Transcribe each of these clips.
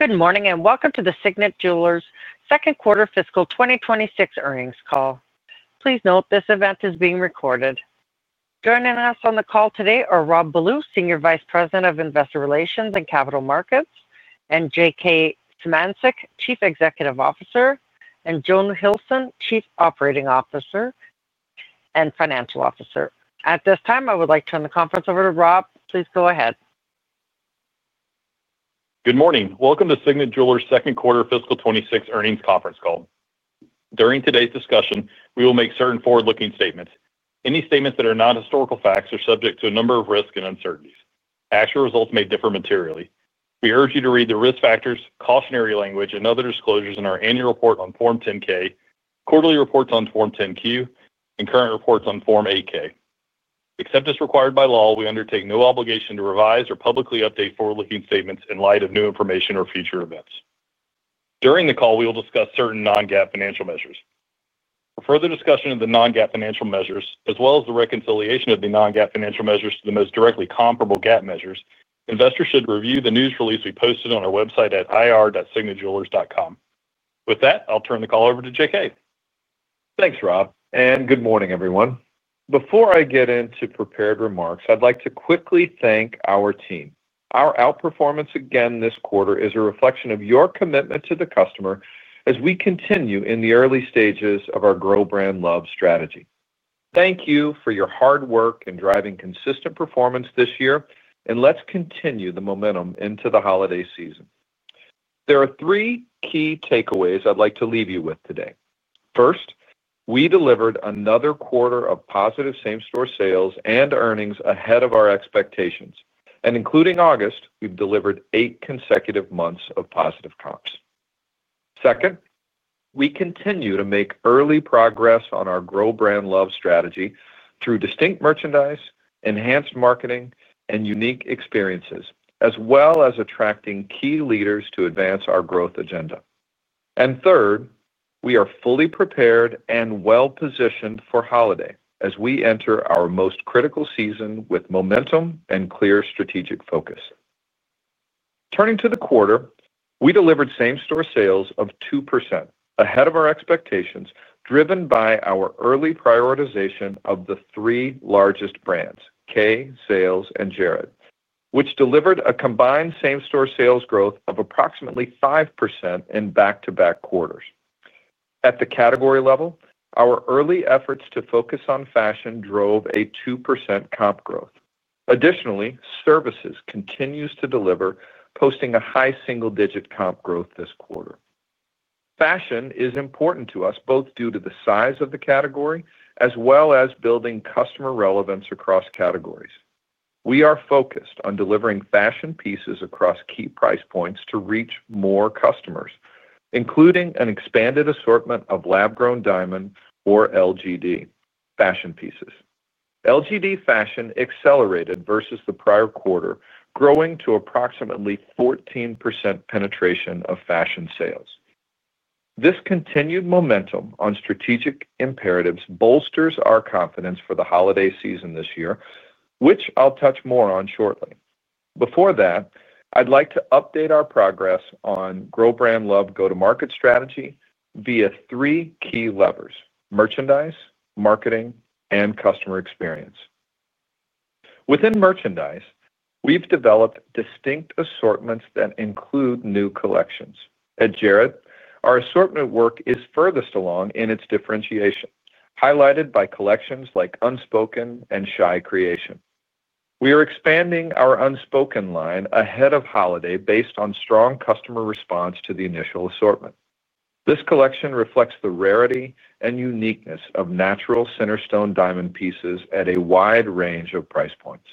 Good morning and welcome to the Signet Jewelers' second quarter fiscal 2026 earnings call. Please note this event is being recorded. Joining us on the call today are Rob Ballew, Senior Vice President of Investor Relations and Capital Markets, J.K. Symancyk, Chief Executive Officer, and Joan Hilson, Chief Operating Officer and Financial Officer. At this, I would like to turn the conference over to Rob. Please go ahead. Good morning. Welcome to Signet Jewelers' Second Quarter Fiscal 2026 Earnings Conference Call. During today's discussion, we will make certain forward-looking statements. Any statements that are not historical facts are subject to a number of risks and uncertainties. Actual results may differ materially. We urge you to read the risk factors, cautionary language, and other disclosures in our annual report on Form 10-K, quarterly reports on Form 10-Q, and current reports on Form 8-K. Except as required by law, we undertake no obligation to revise or publicly update forward-looking statements in light of new information or future events. During the call, we will discuss certain non-GAAP financial measures. For further discussion of the non-GAAP financial measures, as well as the reconciliation of the non-GAAP financial measures to the most directly comparable GAAP measures, investors should review the news release we posted on our website at ir.signetjewelers.com. With that, I'll turn the call over to J.K. Thanks, Rob, and good morning, everyone. Before I get into prepared remarks, I'd like to quickly thank our team. Our outperformance again this quarter is a reflection of your commitment to the customer as we continue in the early stages of our Grow Brand Love strategy. Thank you for your hard work in driving consistent performance this year, and let's continue the momentum into the holiday season. There are three key takeaways I'd like to leave you with today. First, we delivered another quarter of positive same-store sales and earnings ahead of our expectations, and including August, we've delivered eight consecutive months of positive comps. Second, we continue to make early progress on our Grow Brand Love strategy through distinct merchandise, enhanced marketing, and unique experiences, as well as attracting key leaders to advance our growth agenda. Third, we are fully prepared and well positioned for holiday as we enter our most critical season with momentum and clear strategic focus. Turning to the quarter, we delivered same-store sales of 2% ahead of our expectations, driven by our early prioritization of the three largest brands: Kay, Zales, and Jared, which delivered a combined same-store sales growth of approximately 5% in back-to-back quarters. At the category level, our early efforts to focus on fashion drove a 2% comp growth. Additionally, services continues to deliver, posting a high single-digit comp growth this quarter. Fashion is important to us both due to the size of the category as well as building customer relevance across categories. We are focused on delivering fashion pieces across key price points to reach more customers, including an expanded assortment of lab-grown diamond or LGD fashion pieces. LGD fashion accelerated versus the prior quarter, growing to approximately 14% penetration of fashion sales. This continued momentum on strategic imperatives bolsters our confidence for the holiday season this year, which I'll touch more on shortly. Before that, I'd like to update our progress on Grow Brand Love go-to-market strategy via three key levers: merchandise, marketing, and customer experience. Within merchandise, we've developed distinct assortments that include new collections. At Jared, our assortment work is furthest along in its differentiation, highlighted by collections like Unspoken and Shy Creation. We are expanding our Unspoken line ahead of holiday based on strong customer response to the initial assortment. This collection reflects the rarity and uniqueness of natural diamond pieces at a wide range of price points.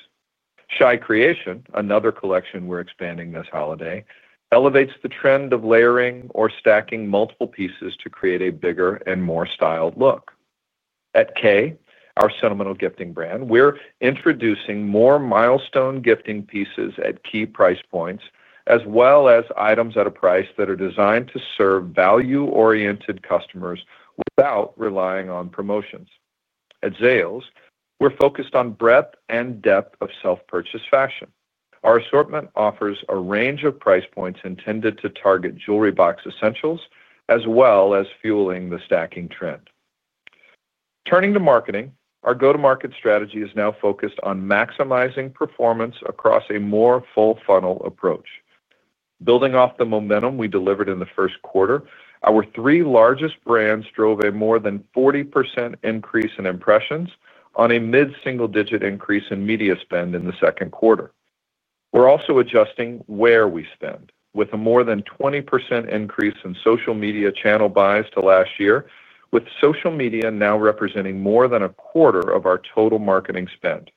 Shy Creation, another collection we're expanding this holiday, elevates the trend of layering or stacking multiple pieces to create a bigger and more styled look. At Kay, our sentimental gifting brand, we're introducing more milestone gifting pieces at key price points, as well as items at a price that are designed to serve value-oriented customers without relying on promotions. At Zales, we're focused on breadth and depth of self-purchase fashion. Our assortment offers a range of price points intended to target jewelry box essentials, as well as fueling the stacking trend. Turning to marketing, our go-to-market strategy is now focused on maximizing performance across a more full-funnel approach. Building off the momentum we delivered in the first quarter, our three largest brands drove a more than 40% increase in impressions on a mid-single-digit increase in media spend in the second quarter. We're also adjusting where we spend, with a more than 20% increase in social media channel buys to last year, with social media now representing more than a quarter of our total marketing spend.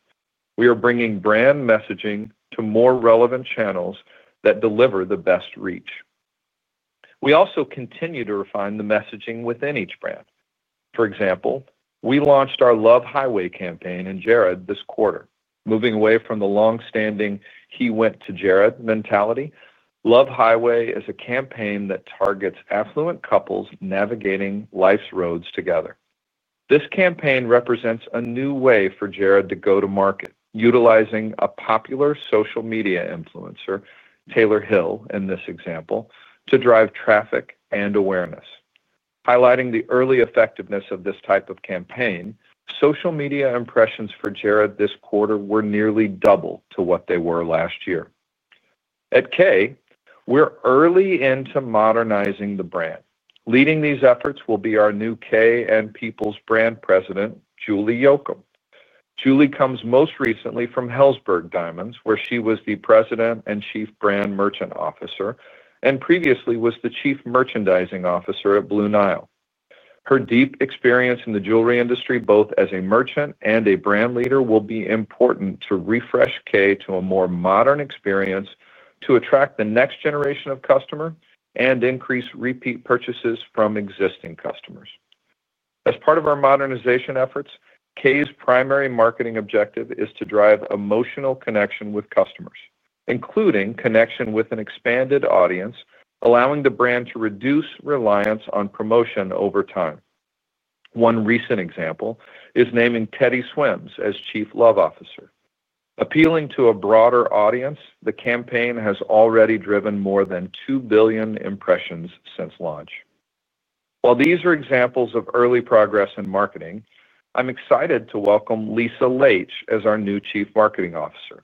We are bringing brand messaging to more relevant channels that deliver the best reach. We also continue to refine the messaging within each brand. For example, we launched our Love Highway campaign in Jared this quarter. Moving away from the longstanding "he went to Jared" mentality, Love Highway is a campaign that targets affluent couples navigating life's roads together. This campaign represents a new way for Jared to go to market, utilizing a popular social media influencer, Taylor Hill, in this example, to drive traffic and awareness. Highlighting the early effectiveness of this type of campaign, social media impressions for Jared this quarter were nearly double what they were last year. At Kay, we're early into modernizing the brand. Leading these efforts will be our new Kay and Peoples Brand President, Julie Yocum. Julie comes most recently from Helzberg Diamonds, where she was the President and Chief Brand Merchant Officer and previously was the Chief Merchandising Officer at Blue Nile. Her deep experience in the jewelry industry, both as a merchant and a brand leader, will be important to refresh Kay to a more modern experience to attract the next generation of customers and increase repeat purchases from existing customers. As part of our modernization efforts, Kay's primary marketing objective is to drive emotional connection with customers, including connection with an expanded audience, allowing the brand to reduce reliance on promotion over time. One recent example is naming Teddy Swims as Chief Love Officer. Appealing to a broader audience, the campaign has already driven more than 2 billion impressions since launch. While these are examples of early progress in marketing, I'm excited to welcome Lisa Leitch as our new Chief Marketing Officer.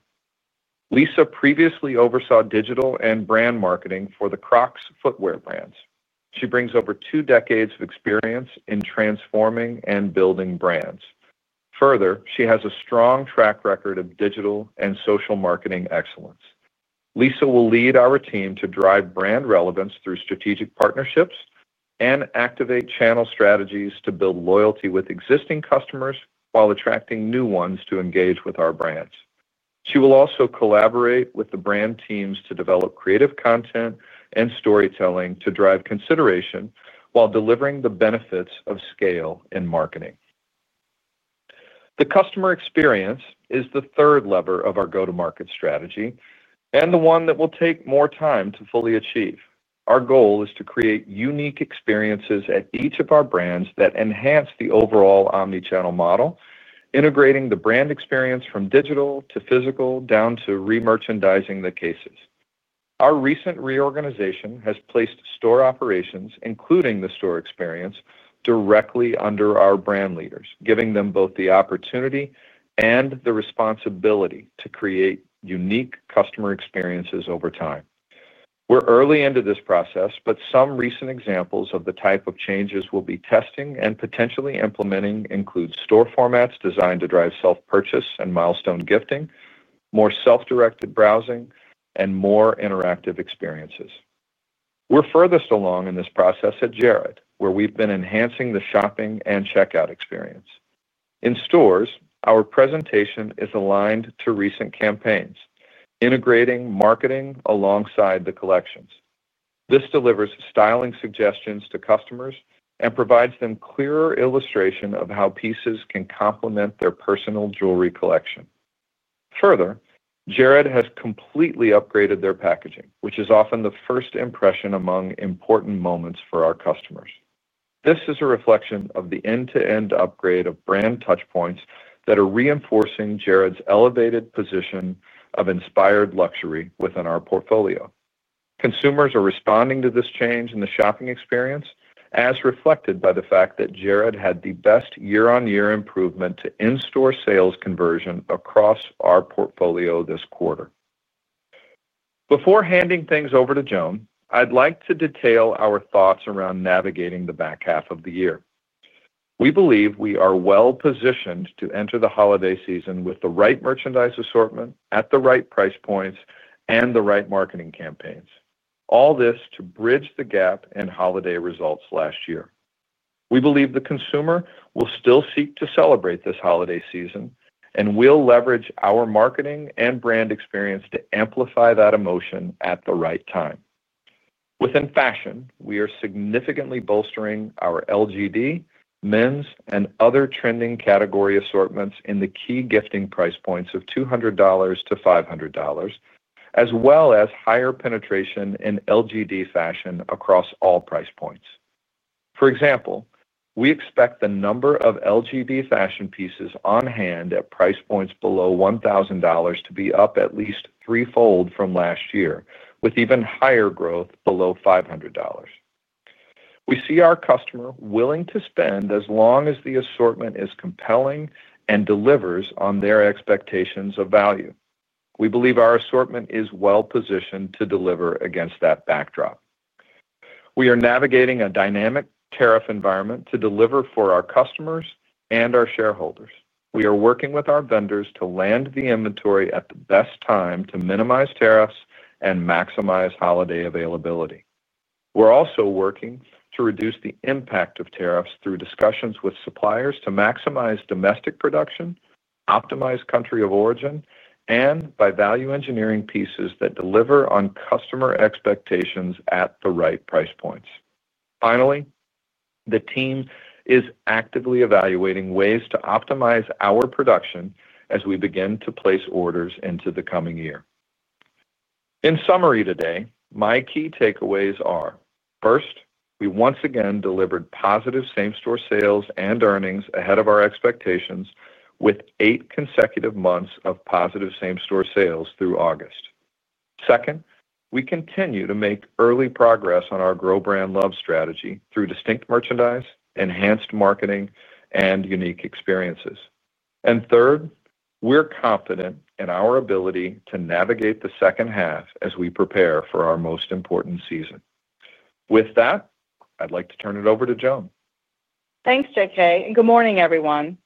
Lisa previously oversaw digital and brand marketing for the Crocs footwear brands. She brings over two decades of experience in transforming and building brands. Further, she has a strong track record of digital and social marketing excellence. Lisa will lead our team to drive brand relevance through strategic partnerships and activate channel strategies to build loyalty with existing customers while attracting new ones to engage with our brands. She will also collaborate with the brand teams to develop creative content and storytelling to drive consideration while delivering the benefits of scale in marketing. The customer experience is the third lever of our go-to-market strategy and the one that will take more time to fully achieve. Our goal is to create unique experiences at each of our brands that enhance the overall omnichannel model, integrating the brand experience from digital to physical down to remerchandising the cases. Our recent reorganization has placed store operations, including the store experience, directly under our brand leaders, giving them both the opportunity and the responsibility to create unique customer experiences over time. We're early into this process, but some recent examples of the type of changes we'll be testing and potentially implementing include store formats designed to drive self-purchase and milestone gifting, more self-directed browsing, and more interactive experiences. We're furthest along in this process at Jared, where we've been enhancing the shopping and checkout experience. In stores, our presentation is aligned to recent campaigns, integrating marketing alongside the collections. This delivers styling suggestions to customers and provides them clearer illustrations of how pieces can complement their personal jewelry collection. Further, Jared has completely upgraded their packaging, which is often the first impression among important moments for our customers. This is a reflection of the end-to-end upgrade of brand touchpoints that are reinforcing Jared's elevated position of inspired luxury within our portfolio. Consumers are responding to this change in the shopping experience, as reflected by the fact that Jared had the best year-on-year improvement to in-store sales conversion across our portfolio this quarter. Before handing things over to Joan, I'd like to detail our thoughts around navigating the back half of the year. We believe we are well positioned to enter the holiday season with the right merchandise assortment at the right price points and the right marketing campaigns, all this to bridge the gap in holiday results last year. We believe the consumer will still seek to celebrate this holiday season and will leverage our marketing and brand experience to amplify that emotion at the right time. Within fashion, we are significantly bolstering our LGD, Mens, and other trending category assortments in the key gifting price points of $200 - $500, as well as higher penetration in LGD fashion across all price points. For example, we expect the number of LGD fashion pieces on hand at price points below $1,000 to be up at least threefold from last year, with even higher growth below $500. We see our customer willing to spend as long as the assortment is compelling and delivers on their expectations of value. We believe our assortment is well positioned to deliver against that backdrop. We are navigating a dynamic tariff environment to deliver for our customers and our shareholders. We are working with our vendors to land the inventory at the best time to minimize tariffs and maximize holiday availability. We're also working to reduce the impact of tariffs through discussions with suppliers to maximize domestic production, optimize country of origin, and by value engineering pieces that deliver on customer expectations at the right price points. Finally, the team is actively evaluating ways to optimize our production as we begin to place orders into the coming year. In summary today, my key takeaways are: first, we once again delivered positive same-store sales and earnings ahead of our expectations, with eight consecutive months of positive same-store sales through August. Second, we continue to make early progress on our Grow Brand Love strategy through distinct merchandise, enhanced marketing, and unique experiences. Third, we're confident in our ability to navigate the second half as we prepare for our most important season. With that, I'd like to turn it over to Joan. Thanks, J.K., and good morning, everyone.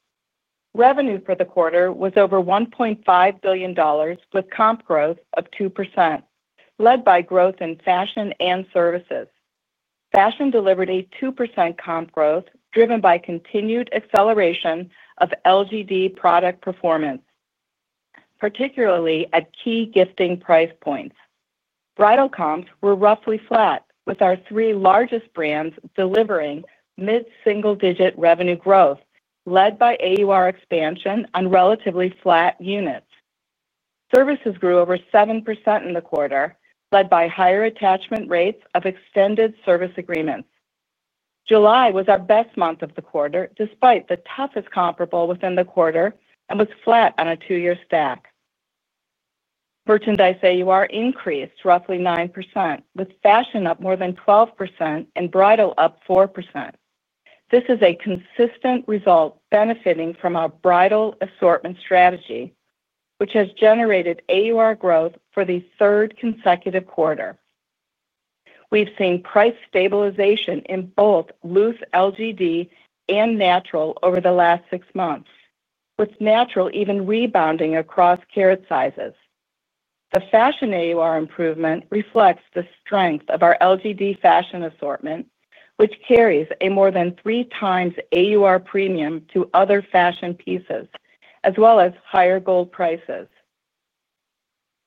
Revenue for the quarter was over $1.5 billion, with comp growth of 2%, led by growth in fashion and services. Fashion delivered a 2% comp growth, driven by continued acceleration of LGD product performance, particularly at key gifting price points. Bridal comps were roughly flat, with our three largest brands delivering mid-single-digit revenue growth, led by AUR expansion on relatively flat units. Services grew over 7% in the quarter, led by higher attachment rates of extended service agreements. July was our best month of the quarter, despite the toughest comparable within the quarter, and was flat on a two-year stack. Merchandise AUR increased roughly 9%, with fashion up more than 12% and bridal up 4%. This is a consistent result benefiting from our bridal assortment strategy, which has generated AUR growth for the third consecutive quarter. We've seen price stabilization in both loose LGD and natural over the last six months, with natural even rebounding across carat sizes. The fashion AUR improvement reflects the strength of our LGD fashion assortment, which carries a more than 3x AUR premium to other fashion pieces, as well as higher gold prices.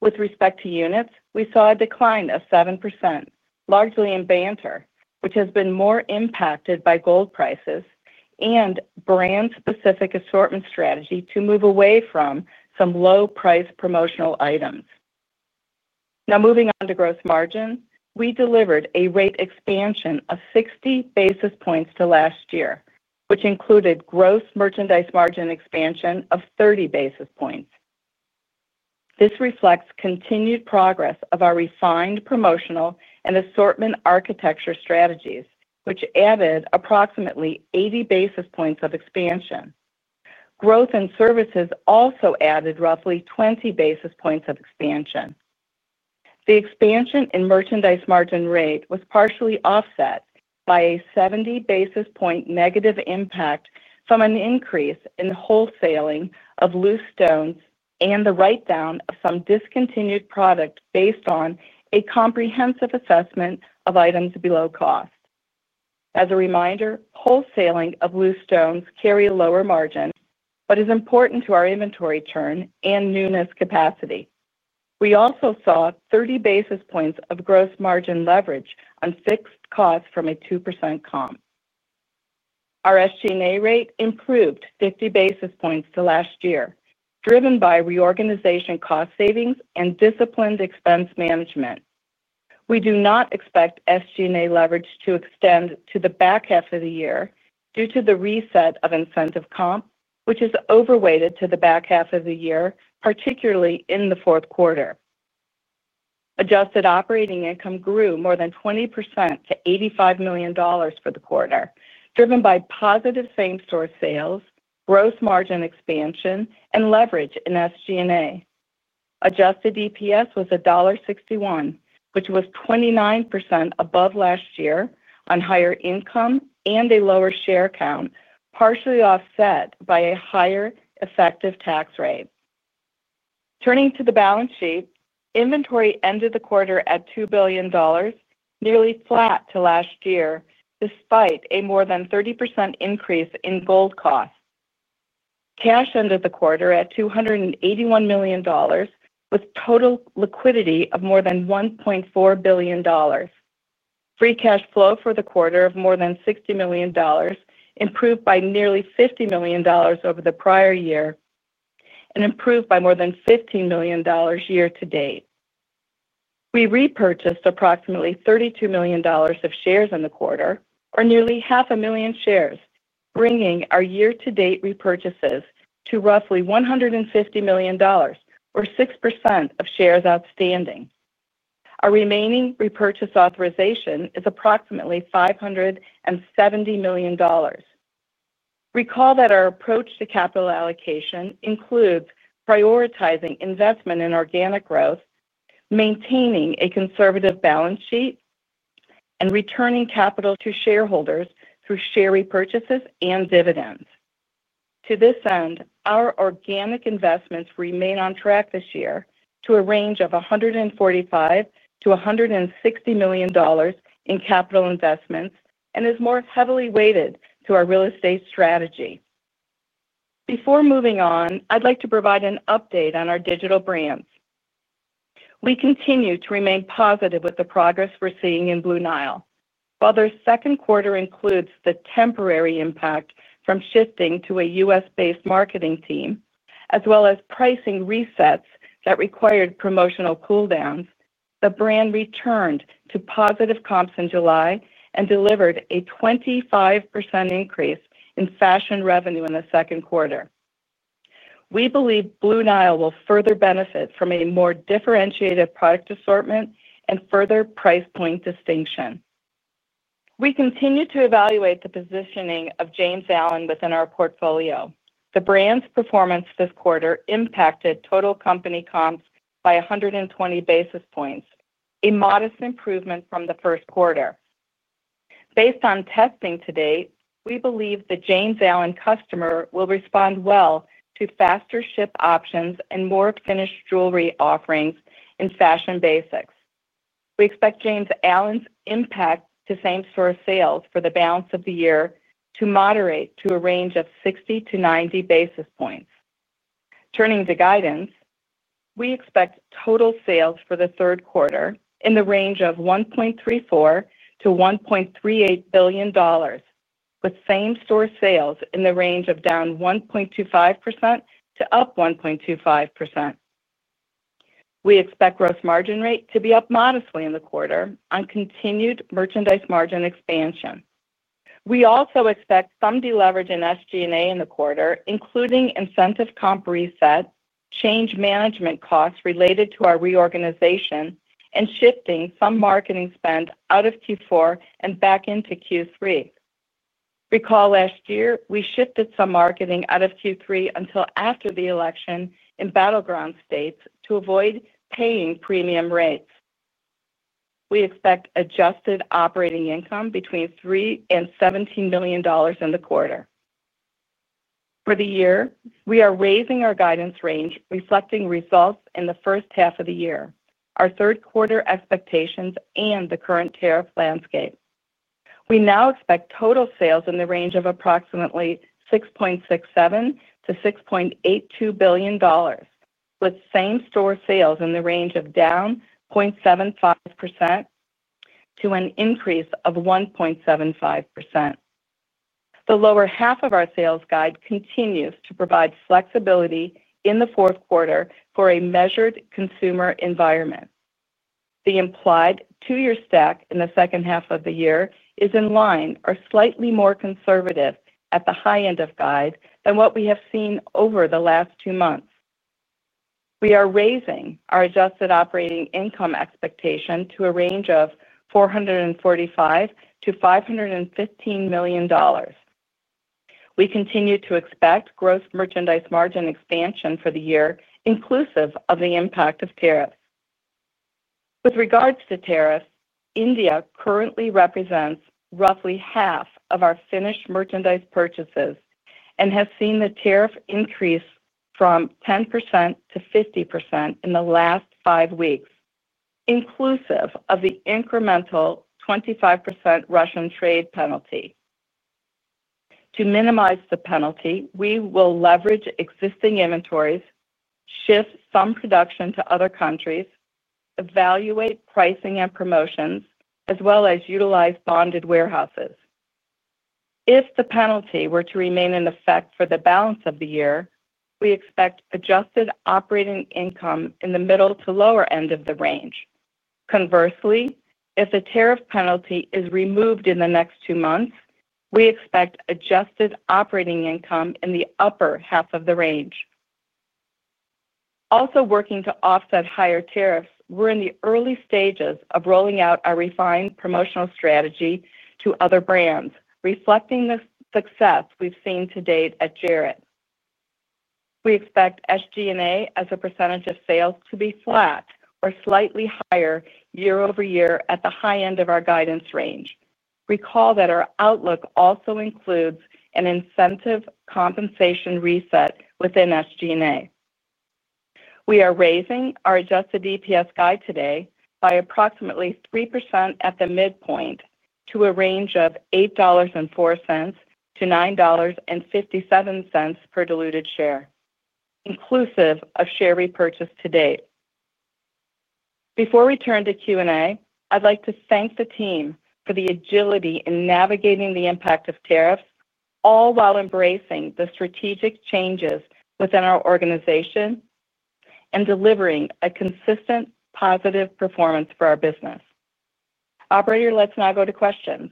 With respect to units, we saw a decline of 7%, largely in banter, which has been more impacted by gold prices and brand-specific assortment strategy to move away from some low-price promotional items. Now, moving on to gross margin, we delivered a rate expansion of 60 basis points to last year, which included gross merchandise margin expansion of 30 basis points. This reflects continued progress of our refined promotional and assortment architecture strategies, which added approximately 80 basis points of expansion. Growth in services also added roughly 20 basis points of expansion. The expansion in merchandise margin rate was partially offset by a 70 basis point negative impact from an increase in wholesaling of loose stones and the write-down of some discontinued product based on a comprehensive assessment of items below cost. As a reminder, wholesaling of loose stones carries a lower margin but is important to our inventory churn and newness capacity. We also saw 30 basis points of gross margin leverage on fixed costs from a 2% comp. Our SG&A rate improved 50 basis points to last year, driven by reorganization cost savings and disciplined expense management. We do not expect SG&A leverage to extend to the back half of the year due to the reset of incentive comp, which is overweighted to the back half of the year, particularly in the fourth quarter. Adjusted operating income grew more than 20% to $85 million for the quarter, driven by positive same-store sales, gross margin expansion, and leverage in SG&A. Adjusted EPS was $1.61 billion, which was 29% above last year on higher income and a lower share count, partially offset by a higher effective tax rate. Turning to the balance sheet, inventory ended the quarter at $2 billion, nearly flat to last year despite a more than 30% increase in gold costs. Cash ended the quarter at $281 million, with total liquidity of more than $1.4 billion. Free cash flow for the quarter of more than $60 million improved by nearly $50 million over the prior year and improved by more than $15 million year to date. We repurchased approximately $32 million of shares in the quarter, or nearly half a million shares, bringing our year-to-date repurchases to roughly $150 million, or 6% of shares outstanding. Our remaining repurchase authorization is approximately $570 million. Recall that our approach to capital allocation includes prioritizing investment in organic growth, maintaining a conservative balance sheet, and returning capital to shareholders through share repurchases and dividends. To this end, our organic investments remain on track this year to a range of $145 million- $160 million in capital investments and is more heavily weighted to our real estate strategy. Before moving on, I'd like to provide an update on our digital brands. We continue to remain positive with the progress we're seeing in Blue Nile. While the second quarter includes the temporary impact from shifting to a U.S.-based marketing team, as well as pricing resets that required promotional cooldowns, the brand returned to positive comps in July and delivered a 25% increase in fashion revenue in the second quarter. We believe Blue Nile will further benefit from a more differentiated product assortment and further price point distinction. We continue to evaluate the positioning of James Allen within our portfolio. The brand's performance this quarter impacted total company comps by 120 basis points, a modest improvement from the first quarter. Based on testing to date, we believe the James Allen customer will respond well to faster ship options and more finished jewelry offerings in fashion basics. We expect James Allen's impact to same-store sales for the balance of the year to moderate to a range of 60 basis points- 90 basis points. Turning to guidance, we expect total sales for the third quarter in the range of $1.34 billion- $1.38 billion, with same-store sales in the range of down 1.25% to up 1.25%. We expect gross margin rate to be up modestly in the quarter on continued merchandise margin expansion. We also expect some deleverage in SG&A in the quarter, including incentive comp reset, change management costs related to our reorganization, and shifting some marketing spend out of Q4 and back into Q3. Recall last year, we shifted some marketing out of Q3 until after the election in battleground states to avoid paying premium rates. We expect adjusted operating income between $3 million and $17 million in the quarter. For the year, we are raising our guidance range, reflecting results in the first half of the year, our third quarter expectations, and the current tariff landscape. We now expect total sales in the range of approximately $6.67 billion- $6.82 billion, with same-store sales in the range of down 0.75% to an increase of 1.75%. The lower half of our sales guide continues to provide flexibility in the fourth quarter for a measured consumer environment. The implied two-year stack in the second half of the year is in line or slightly more conservative at the high end of guide than what we have seen over the last two months. We are raising our adjusted operating income expectation to a range of $445 million - $515 million. We continue to expect gross merchandise margin expansion for the year, inclusive of the impact of tariff. With regards to tariffs, India currently represents roughly half of our finished merchandise purchases and has seen the tariff increase from 10% - 50% in the last five weeks, inclusive of the incremental 25% Russian trade penalty. To minimize the penalty, we will leverage existing inventories, shift some production to other countries, evaluate pricing and promotions, as well as utilize bonded warehouses. If the penalty were to remain in effect for the balance of the year, we expect adjusted operating income in the middle to lower end of the range. Conversely, if the tariff penalty is removed in the next two months, we expect adjusted operating income in the upper half of the range. Also working to offset higher tariffs, we're in the early stages of rolling out our refined promotional strategy to other brands, reflecting the success we've seen to date at Jared. We expect SG&A as a percentage of sales to be flat or slightly higher year over year at the high end of our guidance range. Recall that our outlook also includes an incentive compensation reset within SG&A. We are raising our adjusted EPS guide today by approximately 3% at the midpoint to a range of $8.04 - $9.57 per diluted share, inclusive of share repurchase to date. Before we turn to Q&A, I'd like to thank the team for the agility in navigating the impact of tariffs, all while embracing the strategic changes within our organization and delivering a consistent positive performance for our business. Operator, let's now go to questions.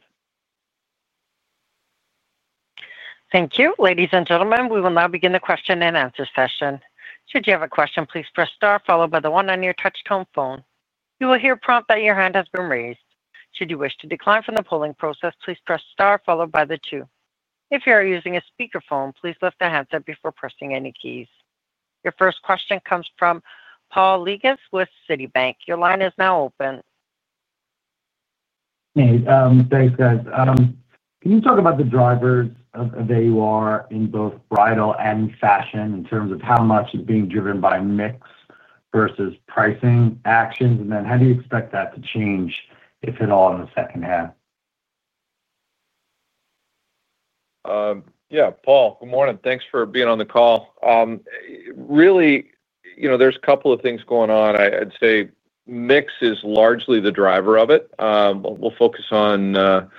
Thank you, ladies and gentlemen. We will now begin the question and answer session. Should you have a question, please press star followed by the one on your touch-tone phone. You will hear promptly that your hand has been raised. Should you wish to decline from the polling process, please press star followed by the two. If you are using a speaker phone, please lift the handset before pressing any keys. Your first question comes from Paul Lejuez with Citibank. Your line is now open. Hey, thanks, guys. Adam, can you talk about the driver of AUR in both bridal and fashion in terms of how much is being driven by a mix versus pricing actions? How do you expect that to change, if at all, in the second half? Yeah, Paul, good morning. Thanks for being on the call. There's a couple of things going on. I'd say mix is largely the driver of it. We'll focus on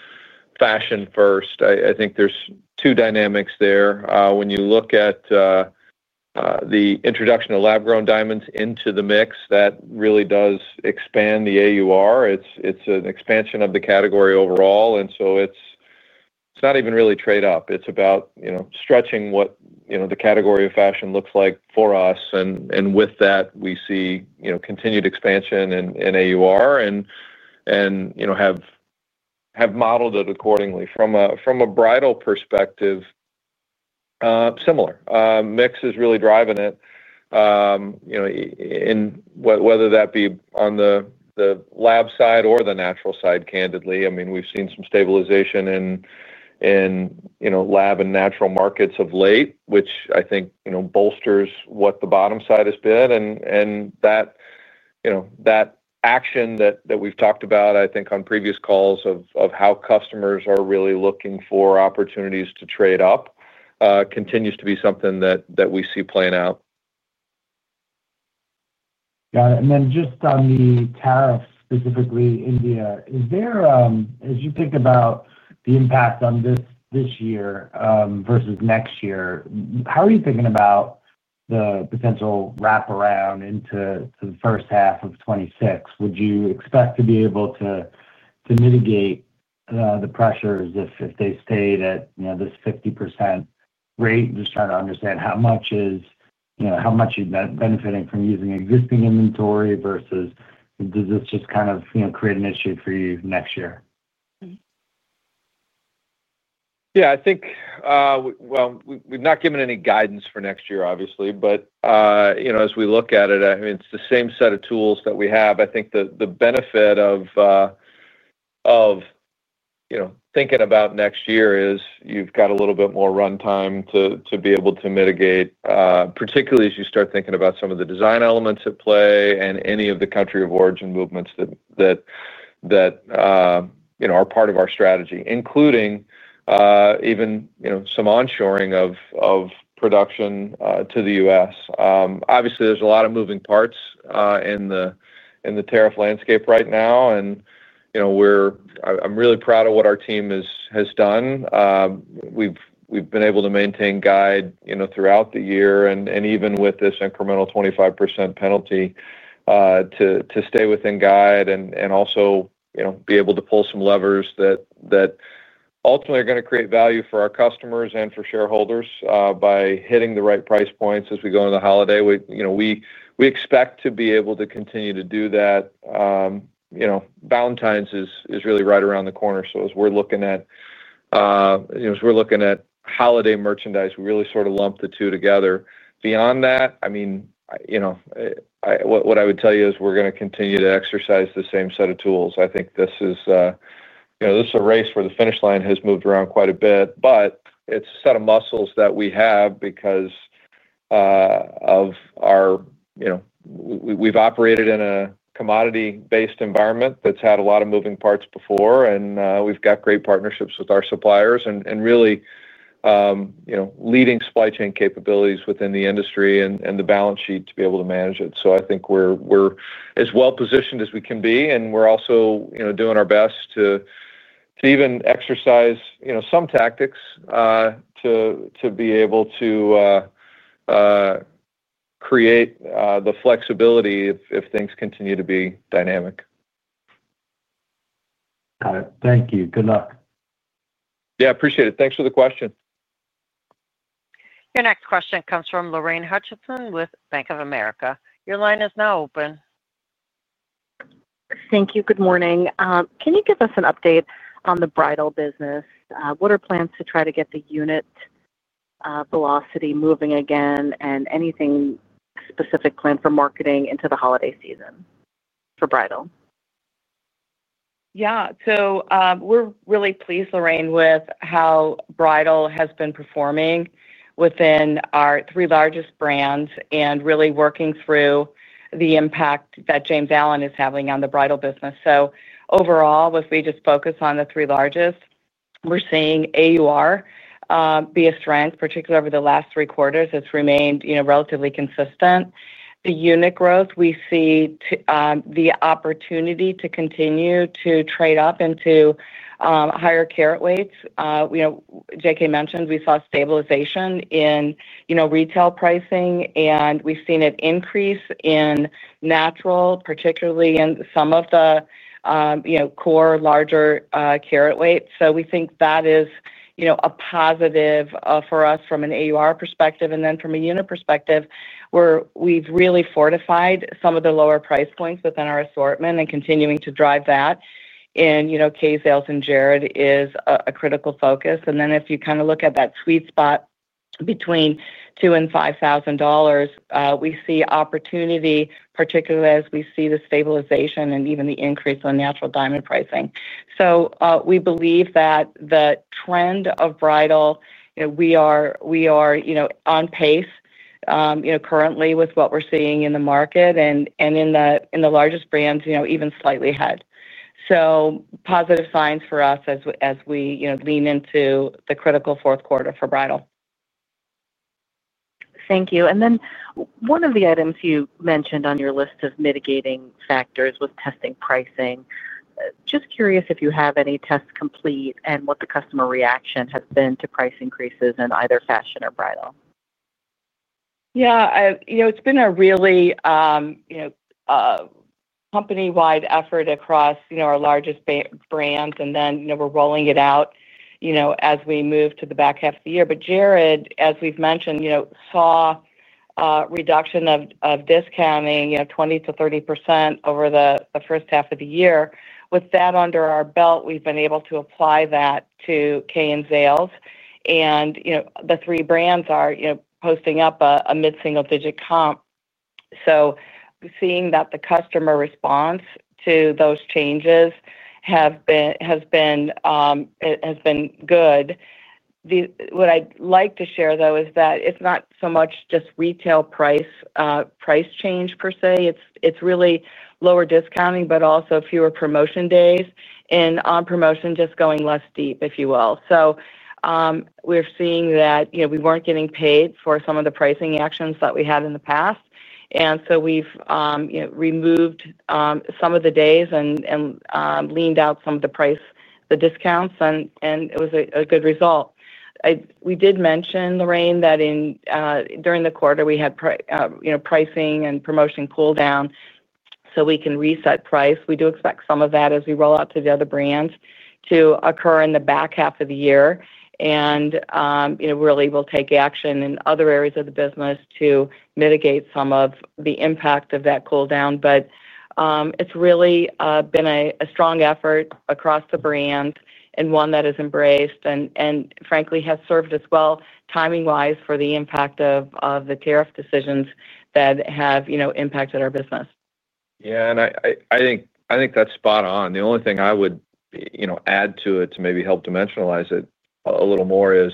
fashion first. I think there's two dynamics there. When you look at the introduction of lab-grown diamonds into the mix, that really does expand the AUR. It's an expansion of the category overall. It's not even really trade-off. It's about stretching what the category of fashion looks like for us. With that, we see continued expansion in AUR and have modeled it accordingly. From a bridal perspective, similar. Mix is really driving it, whether that be on the lab side or the natural side. Candidly, we've seen some stabilization in lab and natural markets of late, which I think bolsters what the bottom side has been. That action that we've talked about, I think on previous calls of how customers are really looking for opportunities to trade up, continues to be something that we see playing out. Got it. On the tariffs, specifically India, as you think about the impact on this year versus next year, how are you thinking about the potential wrap-around into the first half of 2026? Would you expect to be able to mitigate the pressures if they stayed at this 50% rate? I'm just trying to understand how much is benefiting from using existing inventory versus does this just create an issue for you next year? I think we've not given any guidance for next year, obviously. As we look at it, it's the same set of tools that we have. I think the benefit of thinking about next year is you've got a little bit more runtime to be able to mitigate, particularly as you start thinking about some of the design elements at play and any of the country of origin movements that are part of our strategy, including even some onshoring of production to the U.S. Obviously, there's a lot of moving parts in the tariff landscape right now. I'm really proud of what our team has done. We've been able to maintain guide throughout the year. Even with this incremental 25% penalty, to stay within guide and also be able to pull some levers that ultimately are going to create value for our customers and for shareholders by hitting the right price points as we go into the holiday. We expect to be able to continue to do that. Valentine's is really right around the corner. As we're looking at holiday merchandise, we really sort of lump the two together. Beyond that, what I would tell you is we're going to continue to exercise the same set of tools. I think this is a race where the finish line has moved around quite a bit. It's a set of muscles that we have because we've operated in a commodity-based environment that's had a lot of moving parts before. We've got great partnerships with our suppliers and really leading supply chain capabilities within the industry and the balance sheet to be able to manage it. I think we're as well positioned as we can be. We're also doing our best to even exercise some tactics to be able to create the flexibility if things continue to be dynamic. Got it. Thank you. Good luck. Yeah, I appreciate it. Thanks for the question. Your next question comes from Lorraine Hutchinson with Bank of America. Your line is now open. Thank you. Good morning. Can you give us an update on the bridal business? What are plans to try to get the unit velocity moving again, and anything specific planned for marketing into the holiday season for bridal? Yeah. We're really pleased, Lorraine, with how bridal has been performing within our three largest brands and really working through the impact that James Allen is having on the bridal business. Overall, if we just focus on the three largest, we're seeing AUR be a strength, particularly over the last three quarters. It's remained relatively consistent. The unit growth, we see the opportunity to continue to trade up into higher carat weights. J.K. mentioned we saw stabilization in retail pricing, and we've seen an increase in natural, particularly in some of the core larger carat weights. We think that is a positive for us from an AUR perspective. From a unit perspective, we've really fortified some of the lower price points within our assortment and continuing to drive that. Kay's sales in Jared is a critical focus. If you kind of look at that sweet spot between $2,000 and $5,000, we see opportunity, particularly as we see the stabilization and even the increase on natural diamond pricing. We believe that the trend of bridal, we are on pace currently with what we're seeing in the market and in the largest brands, even slightly ahead. Positive signs for us as we lean into the critical fourth quarter for bridal. Thank you. One of the items you mentioned on your list of mitigating factors was testing pricing. Just curious if you have any tests complete and what the customer reaction has been to price increases in either fashion or bridal. Yeah, you know, it's been a really company-wide effort across our largest brands. We're rolling it out as we move to the back half of the year. Jared, as we've mentioned, saw a reduction of discounting, 20% - 30% over the first half of the year. With that under our belt, we've been able to apply that to Kay and Zales. The three brands are posting up a mid-single-digit comp. Seeing that, the customer response to those changes has been good. What I'd like to share, though, is that it's not so much just retail price change per se. It's really lower discounting, but also fewer promotion days and on promotion just going less deep, if you will. We're seeing that we weren't getting paid for some of the pricing actions that we had in the past. We've removed some of the days and leaned out some of the price, the discounts, and it was a good result. We did mention, Lorraine, that during the quarter, we had pricing and promotion cooldown so we can reset price. We do expect some of that as we roll out to the other brands to occur in the back half of the year. Really, we'll take action in other areas of the business to mitigate some of the impact of that cooldown. It's really been a strong effort across the brands and one that is embraced and frankly has served us well timing-wise for the impact of the tariff decisions that have impacted our business. Yeah, I think that's spot on. The only thing I would add to it to maybe help dimensionalize it a little more is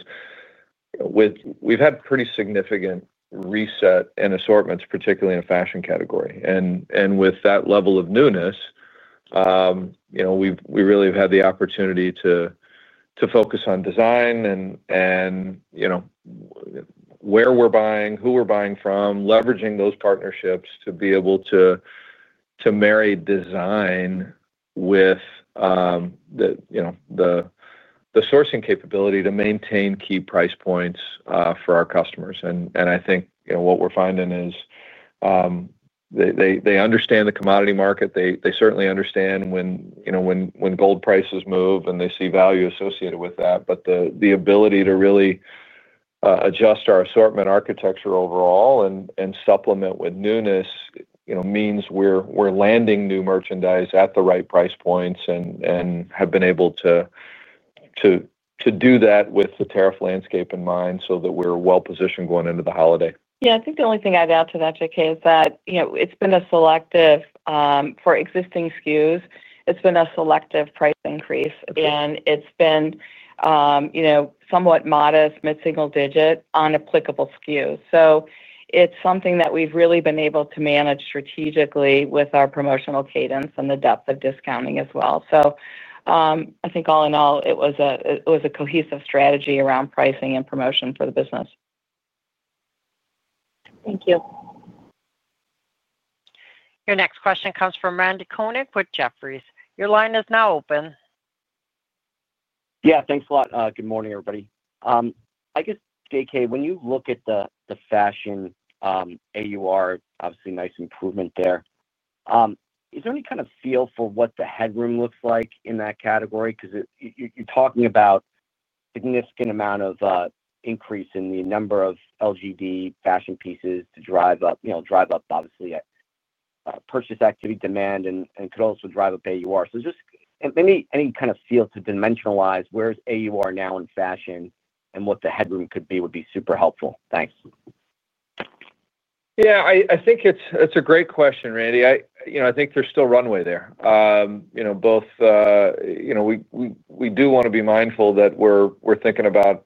we've had pretty significant reset in assortments, particularly in a fashion category. With that level of newness, we really have had the opportunity to focus on design and where we're buying, who we're buying from, leveraging those partnerships to be able to marry design with the sourcing capability to maintain key price points for our customers. I think what we're finding is they understand the commodity market. They certainly understand when gold prices move and they see value associated with that. The ability to really adjust our assortment architecture overall and supplement with newness means we're landing new merchandise at the right price points and have been able to do that with the tariff landscape in mind so that we're well positioned going into the holiday. Yeah, I think the only thing I'd add to that, J.K., is that it's been selective for existing SKUs. It's been a selective price increase, and it's been somewhat modest mid-single digit on applicable SKUs. It's something that we've really been able to manage strategically with our promotional cadence and the depth of discounting as well. I think all in all, it was a cohesive strategy around pricing and promotion for the business. Thank you. Your next question comes from Randi Abada with Jefferies. Your line is now open. Yeah, thanks a lot. Good morning, everybody. I guess, J.K., when you look at the fashion AUR, obviously nice improvement there, is there any kind of feel for what the headroom looks like in that category? Because you're talking about a significant amount of increase in the number of LGD fashion pieces to drive up, you know, drive up obviously purchase activity demand and could also drive up AUR. Just any kind of feel to dimensionalize where's AUR now in fashion and what the headroom could be would be super helpful. Thanks. Yeah, I think it's a great question, Randi. I think there's still runway there. We do want to be mindful that we're thinking about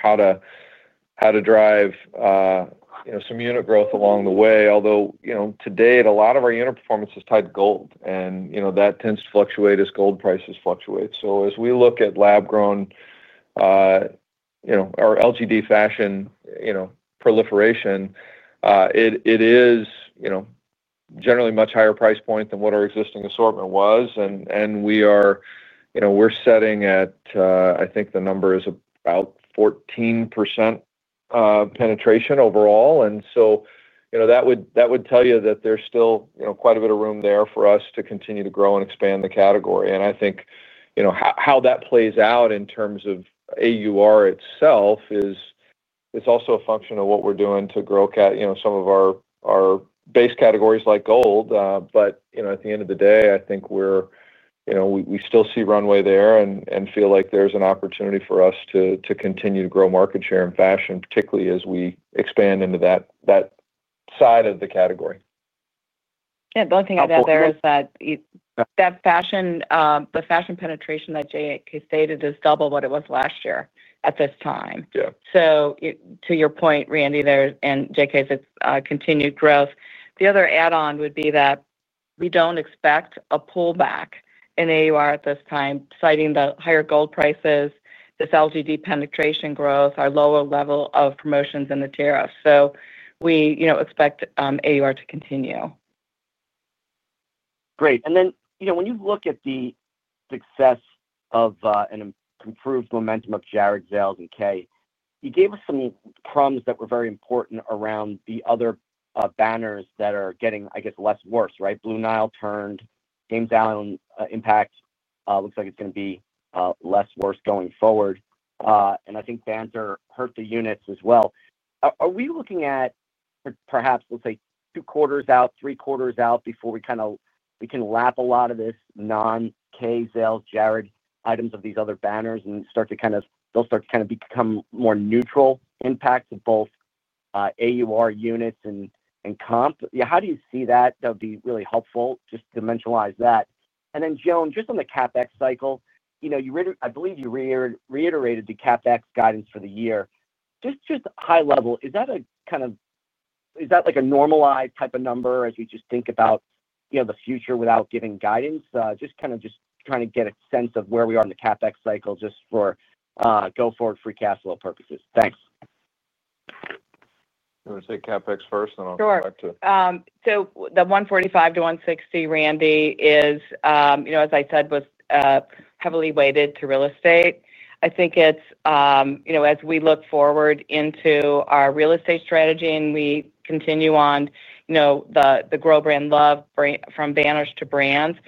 how to drive some unit growth along the way. Although today, a lot of our unit performance is tied to gold, and that tends to fluctuate as gold prices fluctuate. As we look at lab-grown, or LGD fashion, proliferation, it is generally a much higher price point than what our existing assortment was. We are setting at, I think the number is about 14% penetration overall. That would tell you that there's still quite a bit of room there for us to continue to grow and expand the category. I think how that plays out in terms of AUR itself is also a function of what we're doing to grow some of our base categories like gold. At the end of the day, I think we still see runway there and feel like there's an opportunity for us to continue to grow market share in fashion, particularly as we expand into that side of the category. Yeah, the only thing I'd add there is that the fashion penetration that J.K. stated is double what it was last year at this time. Yeah. To your point, Randi, there and J.K.'s continued growth, the other add-on would be that we don't expect a pullback in AUR at this time, citing the higher gold prices, this LGD penetration growth, our lower level of promotions, and the tariffs. We expect AUR to continue. Great. When you look at the success and improved momentum of Jared, Zales, and Kay, you gave us some crumbs that were very important around the other banners that are getting, I guess, less worse, right? Blue Nile turned, came down on impact. It looks like it's going to be less worse going forward. I think banter hurt the units as well. Are we looking at perhaps, let's say, two quarters out, three quarters out before we kind of, we can lap a lot of this non-Kay, Zales, Jared items of these other banners and start to kind of, they'll start to kind of become more neutral impact to both AUR units and comp? How do you see that? That would be really helpful just to dimensionalize that. Joan, just on the CapEx cycle, I believe you reiterated the CapEx guidance for the year. High level, is that a kind of, is that like a normalized type of number as we just think about the future without giving guidance? Just kind of just trying to get a sense of where we are in the CapEx cycle just for go-forward free cash flow purposes. Thanks. You want to say CapEx first, and I'll go back to it? Sure. The $145 million- $160 million, Randi, is, as I said, heavily weighted to real estate. I think as we look forward into our real estate strategy and we continue on the grow brand love from banners to brands,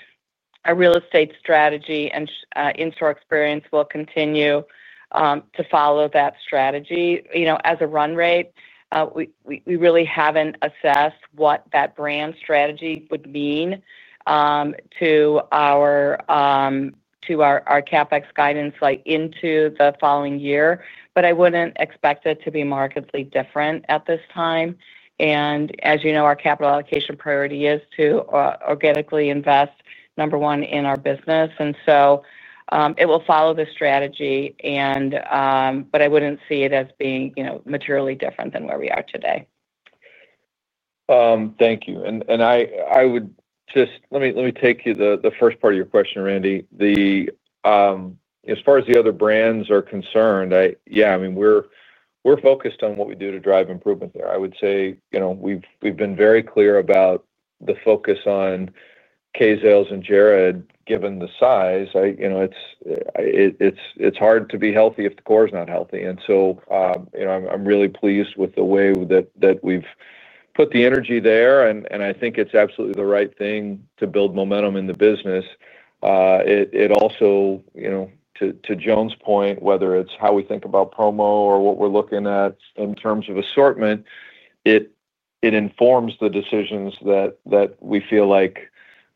our real estate strategy and in-store experience will continue to follow that strategy. As a run rate, we really haven't assessed what that brand strategy would mean to our CapEx guidance into the following year. I wouldn't expect it to be markedly different at this time. As you know, our capital allocation priority is to organically invest, number one, in our business. It will follow the strategy, but I wouldn't see it as being materially different than where we are today. Thank you. Let me take the first part of your question, Randi. As far as the other brands are concerned, yeah, I mean, we're focused on what we do to drive improvement there. I would say we've been very clear about the focus on Kay, Zales, and Jared, given the size. It's hard to be healthy if the core is not healthy. I'm really pleased with the way that we've put the energy there. I think it's absolutely the right thing to build momentum in the business. It also, to Joan's point, whether it's how we think about promo or what we're looking at in terms of assortment, informs the decisions that we feel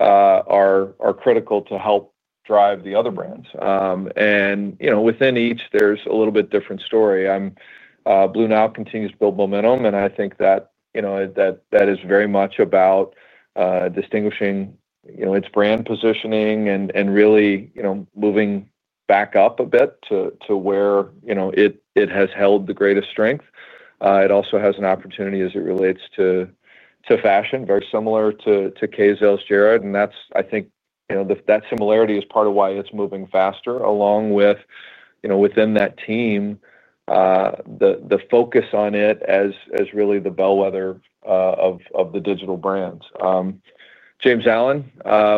are critical to help drive the other brands. Within each, there's a little bit different story. Blue Nile continues to build momentum. I think that is very much about distinguishing its brand positioning and really moving back up a bit to where it has held the greatest strength. It also has an opportunity as it relates to fashion, very similar to Kay, Zales, Jared. That similarity is part of why it's moving faster, along with, within that team, the focus on it as really the bellwether of the digital brands. James Allen,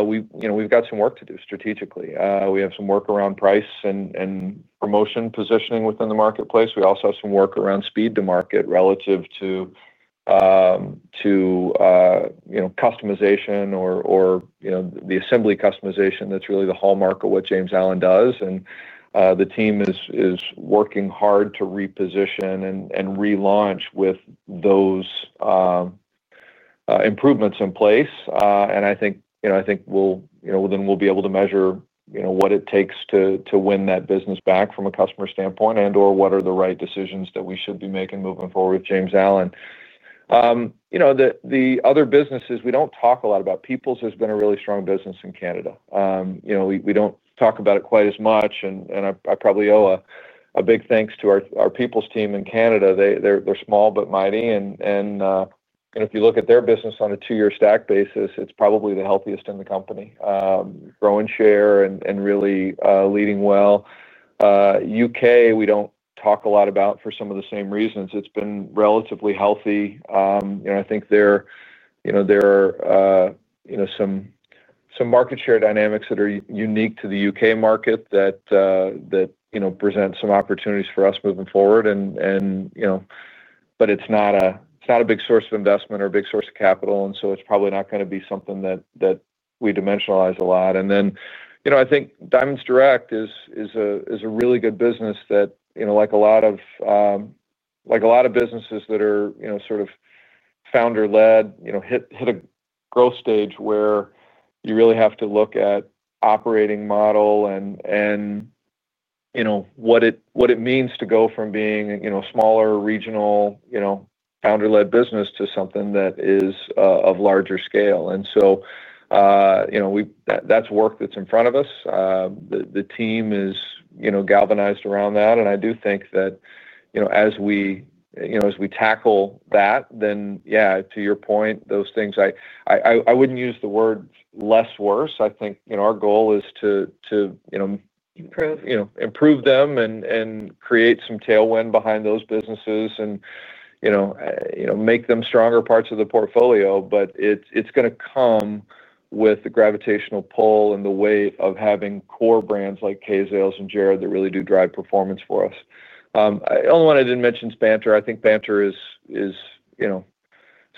we've got some work to do strategically. We have some work around price and promotion positioning within the marketplace. We also have some work around speed to market relative to customization or the assembly customization that's really the hallmark of what James Allen does. The team is working hard to reposition and relaunch with those improvements in place. I think we'll then be able to measure what it takes to win that business back from a customer standpoint and/or what are the right decisions that we should be making moving forward with James Allen. The other businesses we don't talk a lot about. Peoples has been a really strong business in Canada. We don't talk about it quite as much. I probably owe a big thanks to our Peoples team in Canada. They're small but mighty. If you look at their business on a two-year stack basis, it's probably the healthiest in the company, growing share and really leading well. UK, we don't talk a lot about for some of the same reasons. It's been relatively healthy. I think there are some market share dynamics that are unique to the UK market that present some opportunities for us moving forward. It's not a big source of investment or a big source of capital, so it's probably not going to be something that we dimensionalize a lot. I think Diamonds Direct is a really good business that, like a lot of businesses that are sort of founder-led, hit a growth stage where you really have to look at operating model and what it means to go from being a smaller regional founder-led business to something that is of larger scale. That's work that's in front of us. The team is galvanized around that. I do think that as we tackle that, to your point, those things, I wouldn't use the word less worse. Our goal is to improve them and create some tailwind behind those businesses and make them stronger parts of the portfolio. It's going to come with the gravitational pull and the weight of having core brands like Kay, Zales, and Jared that really do drive performance for us. The only one I didn't mention is Banter. I think Banter is a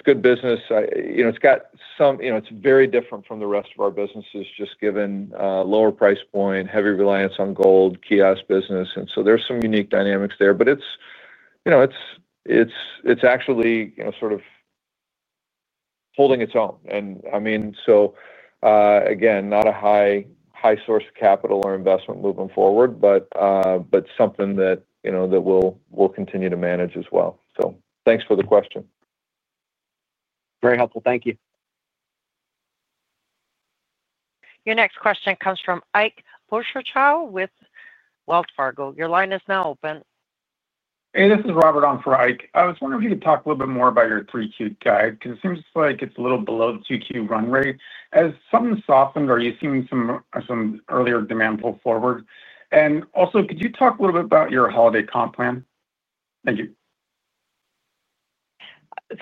good business. It's got some, it's very different from the rest of our businesses, just given lower price point, heavy reliance on gold, kiosk business. There are some unique dynamics there. It's actually sort of holding its own. Not a high source of capital or investment moving forward, but something that we'll continue to manage as well. Thanks for the question. Very helpful. Thank you. Your next question comes from Ike Boruchow with Wells Fargo. Your line is now open. Hey, this is Robert on for Ike. I was wondering if you could talk a little bit more about your 3Q guide, because it seems like it's a little below the 2Q run rate. Has something softened? Are you seeing some earlier demand pull forward? Could you talk a little bit about your holiday comp plan? Thank you.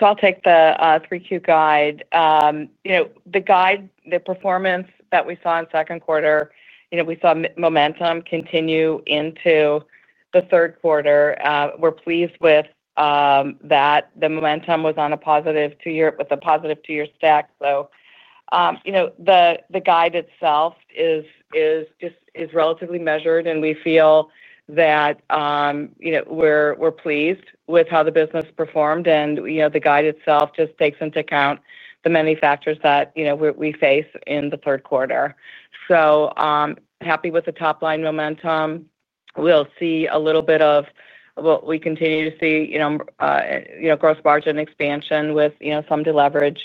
I'll take the 3Q guide. The guide, the performance that we saw in second quarter, we saw momentum continue into the third quarter. We're pleased with that. The momentum was on a positive two-year, with a positive two-year stack. The guide itself is just relatively measured. We feel that we're pleased with how the business performed. The guide itself just takes into account the many factors that we face in the third quarter. Happy with the top line momentum. We'll see a little bit of what we continue to see, gross margin expansion with some deleverage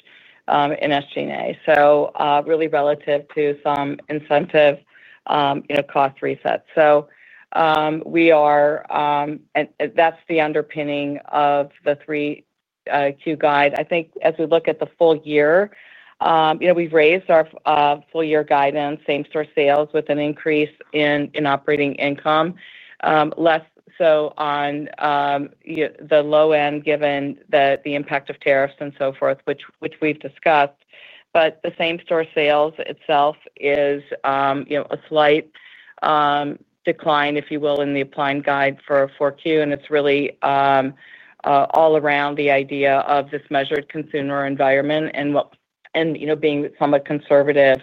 in SG&A. Really relative to some incentive cost reset. We are, and that's the underpinning of the 3Q guide. I think as we look at the full year, we've raised our full-year guidance, same-store sales, with an increase in operating income, less so on the low end, given the impact of tariffs and so forth, which we've discussed. The same-store sales itself is a slight decline, if you will, in the applied guide for 4Q. It's really all around the idea of this measured consumer environment and being somewhat conservative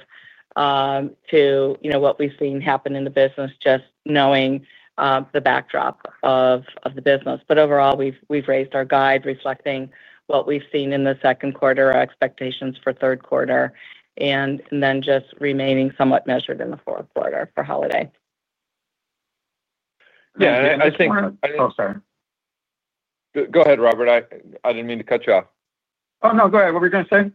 to what we've seen happen in the business, just knowing the backdrop of the business. Overall, we've raised our guide reflecting what we've seen in the second quarter, our expectations for third quarter, and then just remaining somewhat measured in the fourth quarter for holiday. Yeah, I think. Oh, sorry. Go ahead, Rob. I didn't mean to cut you off. Oh, no, go ahead. What were you going to say?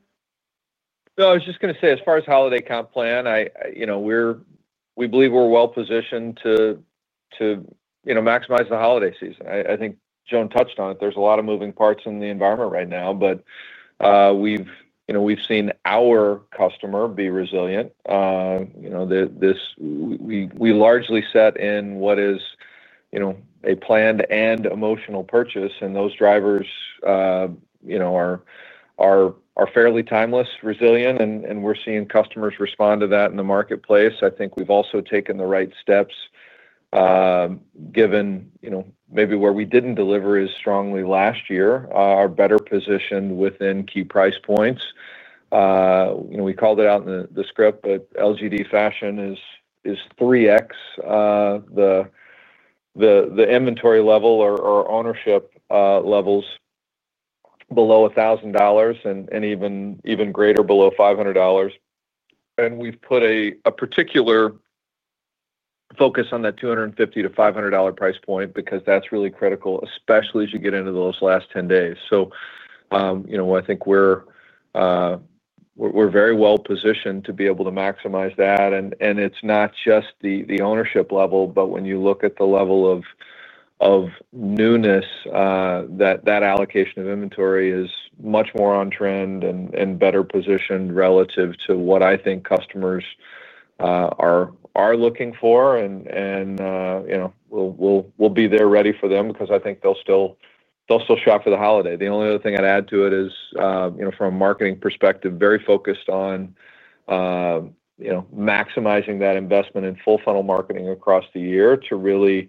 No, I was just going to say, as far as holiday comp plan, I, you know, we believe we're well positioned to, you know, maximize the holiday season. I think Joan touched on it. There's a lot of moving parts in the environment right now. We've seen our customer be resilient. We largely set in what is a planned and emotional purchase. Those drivers are fairly timeless, resilient, and we're seeing customers respond to that in the marketplace. I think we've also taken the right steps, given maybe where we didn't deliver as strongly last year. Our better position within key price points. We called it out in the script, but LGD fashion is 3X the inventory level or ownership levels below $1,000 and even greater below $500. We've put a particular focus on that $250 - $500 price point because that's really critical, especially as you get into those last 10 days. I think we're very well positioned to be able to maximize that. It's not just the ownership level, but when you look at the level of newness, that allocation of inventory is much more on trend and better positioned relative to what I think customers are looking for. We'll be there ready for them because I think they'll still shop for the holiday. The only other thing I'd add to it is, from a marketing perspective, very focused on maximizing that investment in full-funnel marketing across the year to really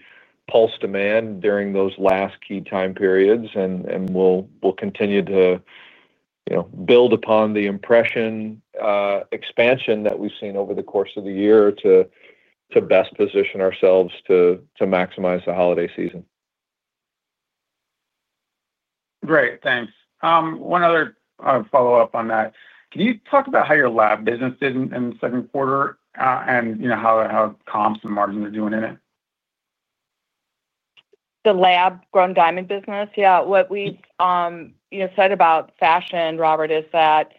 pulse demand during those last key time periods. We'll continue to build upon the impression expansion that we've seen over the course of the year to best position ourselves to maximize the holiday season. Great. Thanks. One other follow-up on that. Can you talk about how your lab business did in the second quarter, and, you know, how comps and margins are doing in it? The lab-grown diamond business, yeah. What we've said about fashion, Robert, is that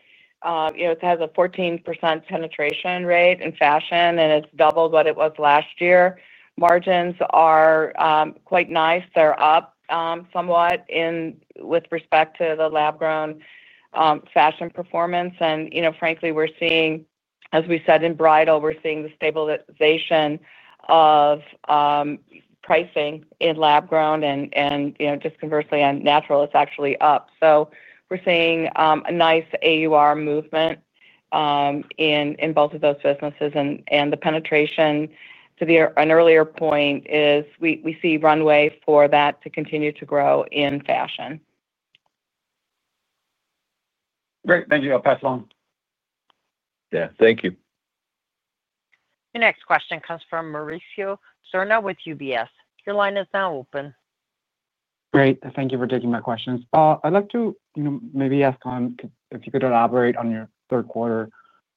it has a 14% penetration rate in fashion and has doubled what it was last year. Margins are quite nice. They're up somewhat with respect to the lab-grown fashion performance. Frankly, we're seeing, as we said in bridal, we're seeing the stabilization of pricing in lab-grown and, conversely, on natural, it's actually up. We're seeing a nice AUR movement in both of those businesses. The penetration to an earlier point is we see runway for that to continue to grow in fashion. Great. Thank you. I'll pass it along. Thank you. Your next question comes from Mauricio Serna with UBS. Your line is now open. Great. Thank you for taking my questions. I'd like to maybe ask if you could elaborate on your third quarter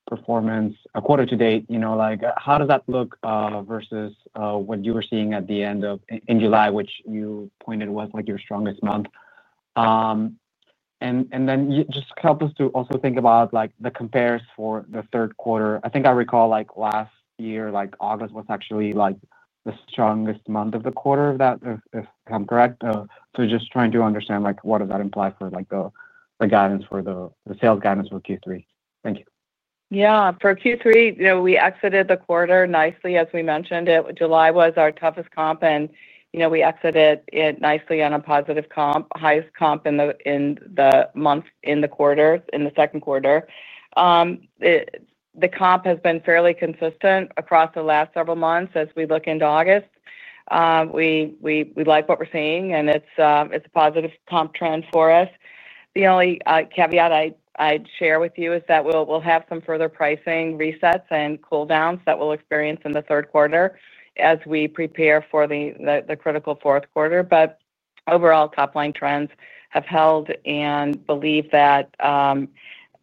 performance, quarter to date. How does that look versus what you were seeing at the end of July, which you pointed to as your strongest month? Please help us to also think about the compares for the third quarter. I think I recall last year August was actually the strongest month of the quarter, if I'm correct. Just trying to understand what that implies for the sales guidance for Q3. Thank you. Yeah, for Q3, we exited the quarter nicely, as we mentioned. July was our toughest comp, and we exited it nicely on a positive comp, highest comp in the month, in the quarter, in the second quarter. The comp has been fairly consistent across the last several months. As we look into August, we like what we're seeing, and it's a positive comp trend for us. The only caveat I'd share with you is that we'll have some further pricing resets and cooldowns that we'll experience in the third quarter as we prepare for the critical fourth quarter. Overall, top line trends have held and believe that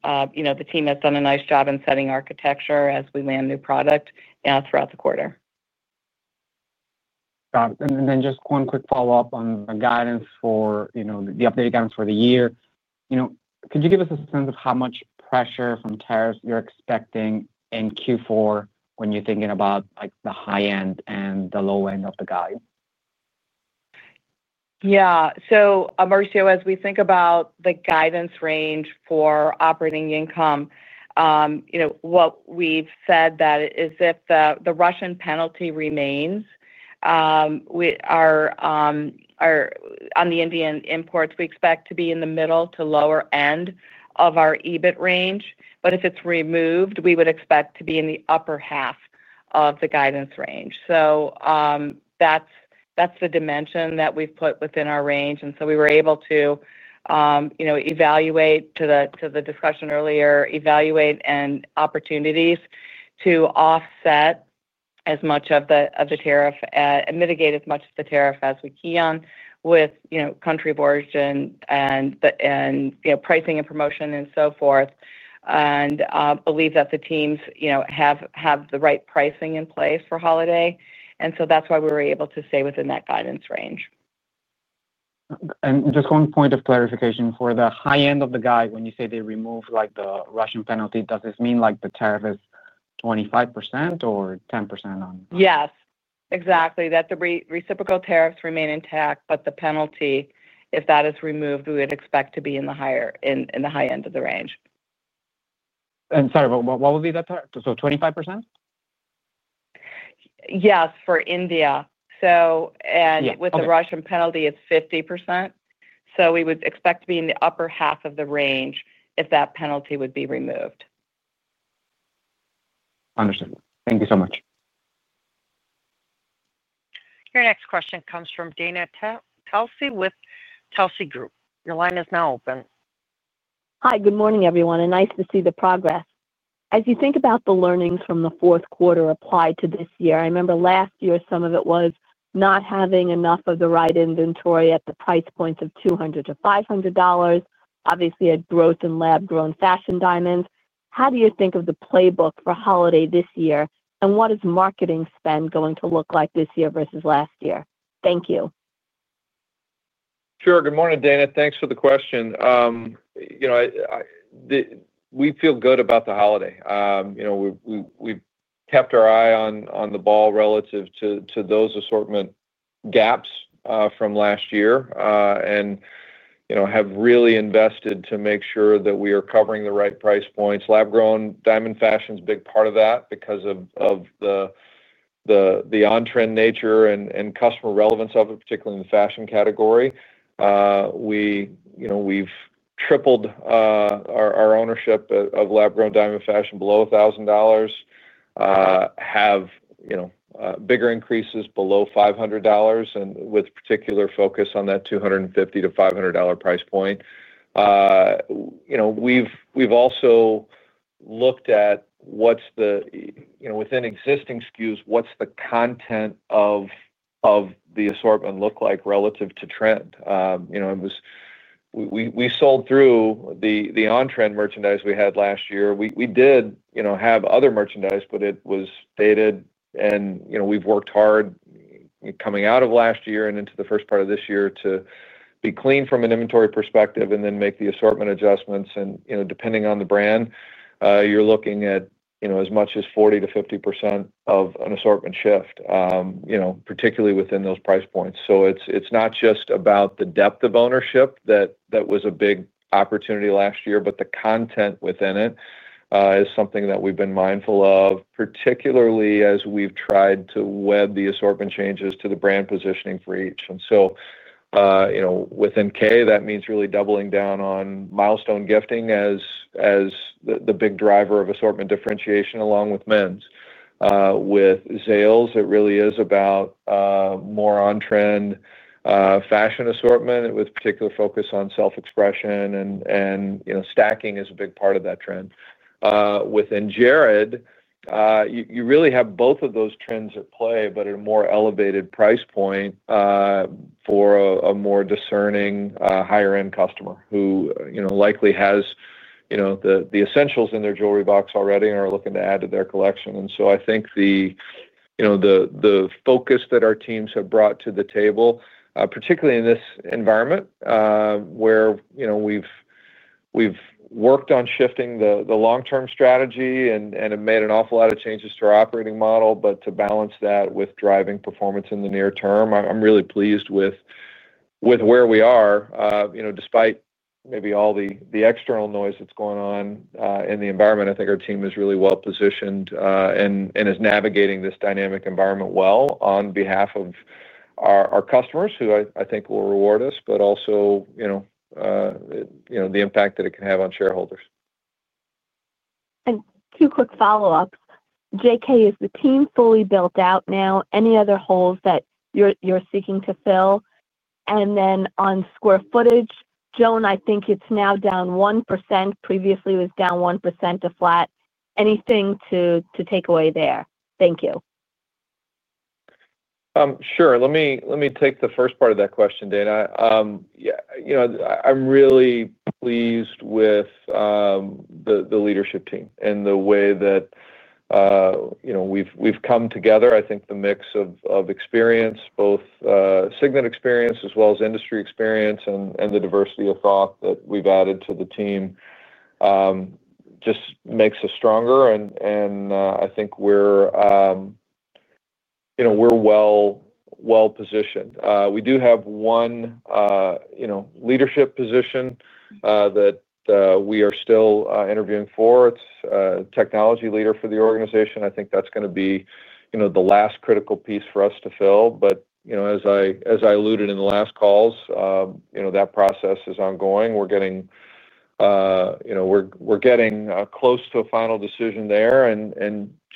the team has done a nice job in setting architecture as we land new product throughout the quarter. Got it. Just one quick follow-up on the guidance for the updated guidance for the year. Could you give us a sense of how much pressure from tariffs you're expecting in Q4 when you're thinking about the high end and the low end of the guide? Yeah. Mauricio, as we think about the guidance range for operating income, what we've said is if the Russian penalty remains on the Indian imports, we expect to be in the middle to lower end of our EBIT range. If it's removed, we would expect to be in the upper half of the guidance range. That's the dimension that we've put within our range. We were able to evaluate, to the discussion earlier, opportunities to offset as much of the tariff and mitigate as much of the tariff as we key on with country voyage, pricing, promotion, and so forth. I believe that the teams have the right pricing in place for holiday, which is why we were able to stay within that guidance range. Just one point of clarification for the high end of the guide, when you say they remove like the Russian penalty, does this mean the tariff is 25% or 10% on? Yes, exactly. That the reciprocal tariffs remain intact, but the penalty, if that is removed, we would expect to be in the higher end of the range. What would be the tariff? 25%? Yes, for India. With the Russian penalty, it's 50%. We would expect to be in the upper half of the range if that penalty would be removed. Understood. Thank you so much. Your next question comes from Dana Telsey with Telsey Group. Your line is now open. Hi, good morning, everyone, and nice to see the progress. As you think about the learnings from the fourth quarter applied to this year, I remember last year some of it was not having enough of the right inventory at the price points of $200 - $500. Obviously, a growth in lab-grown diamond fashion. How do you think of the playbook for holiday this year? What is marketing spend going to look like this year versus last year? Thank you. Sure. Good morning, Dana. Thanks for the question. We feel good about the holiday. We've kept our eye on the ball relative to those assortment gaps from last year and have really invested to make sure that we are covering the right price points. Lab-grown diamond fashion is a big part of that because of the on-trend nature and customer relevance of it, particularly in the fashion category. We've tripled our ownership of lab-grown diamond fashion below $1,000, have bigger increases below $500, and with particular focus on that $250 to $500 price point. We've also looked at what's the, within existing SKUs, what's the content of the assortment look like relative to trend. We sold through the on-trend merchandise we had last year. We did have other merchandise, but it was faded. We've worked hard coming out of last year and into the first part of this year to be clean from an inventory perspective and then make the assortment adjustments. Depending on the brand, you're looking at as much as 40% - 50% of an assortment shift, particularly within those price points. It's not just about the depth of ownership that was a big opportunity last year, but the content within it is something that we've been mindful of, particularly as we've tried to web the assortment changes to the brand positioning for each. Within Kay, that means really doubling down on milestone gifting as the big driver of assortment differentiation along with Mens. With Zales, it really is about more on-trend fashion assortment with particular focus on self-expression and stacking is a big part of that trend. Within Jared, you really have both of those trends at play, but at a more elevated price point for a more discerning higher-end customer who likely has the essentials in their jewelry box already and are looking to add to their collection. I think the focus that our teams have brought to the table, particularly in this environment where we've worked on shifting the long-term strategy and have made an awful lot of changes to our operating model, but to balance that with driving performance in the near term, I'm really pleased with where we are. Despite maybe all the external noise that's going on in the environment, I think our team is really well positioned and is navigating this dynamic environment well on behalf of our customers, who I think will reward us, but also the impact that it can have on shareholders. Two quick follow-ups. J.K., is the team fully built out now? Any other holes that you're seeking to fill? On square footage, Joan, I think it's now down 1%. Previously, it was down 1% to flat. Anything to take away there? Thank you. Sure. Let me take the first part of that question, Dana. I'm really pleased with the leadership team and the way that we've come together. I think the mix of experience, both Signet experience as well as industry experience and the diversity of thought that we've added to the team just makes us stronger. I think we're well positioned. We do have one leadership position that we are still interviewing for. It's a technology leader for the organization. I think that's going to be the last critical piece for us to fill. As I alluded in the last calls, that process is ongoing. We're getting close to a final decision there.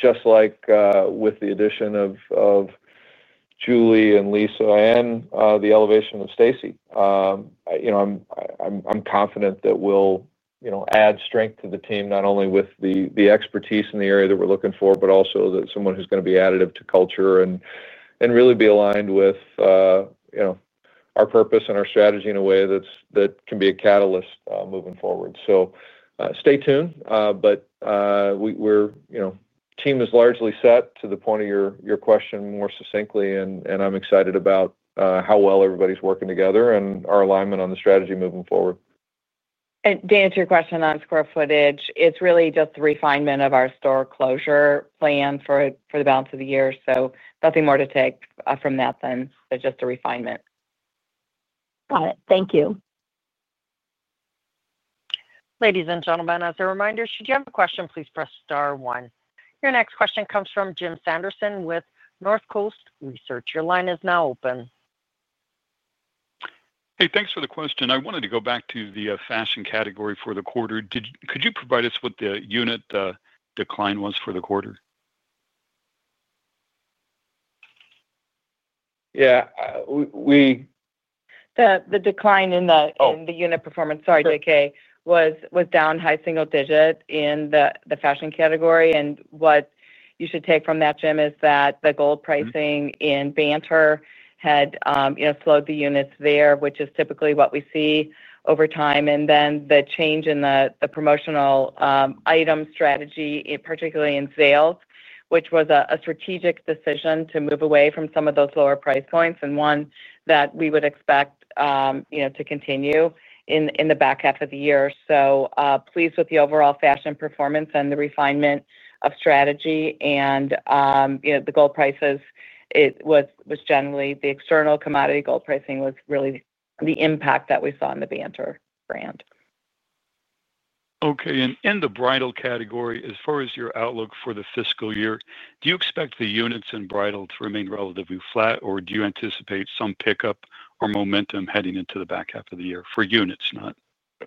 Just like with the addition of Julie and Lisa and the elevation of Stacy, I'm confident that we'll add strength to the team, not only with the expertise in the area that we're looking for, but also someone who's going to be additive to culture and really be aligned with our purpose and our strategy in a way that can be a catalyst moving forward. Stay tuned. The team is largely set to the point of your question more succinctly. I'm excited about how well everybody's working together and our alignment on the strategy moving forward. To answer your question on square footage, it's really just the refinement of our store closure plan for the balance of the year. There's nothing more to take from that than just the refinement. Got it. Thank you. Ladies and gentlemen, as a reminder, should you have a question, please press star one. Your next question comes from Jim Sanderson with North Coast Research. Your line is now open. Hey, thanks for the question. I wanted to go back to the fashion category for the quarter. Could you provide us what the unit decline was for the quarter? Yeah, we. The decline in the unit performance, sorry, J.K., was down high single digit in the fashion category. What you should take from that, Jim, is that the gold pricing in Banter had slowed the units there, which is typically what we see over time. The change in the promotional item strategy, particularly in Zales, was a strategic decision to move away from some of those lower price points and one that we would expect to continue in the back half of the year. Pleased with the overall fashion performance and the refinement of strategy. The gold prices, it was generally the external commodity gold pricing that was really the impact we saw in the Banter brand. Okay. In the bridal category, as far as your outlook for the fiscal year, do you expect the units in bridal to remain relatively flat, or do you anticipate some pickup or momentum heading into the back half of the year for units, not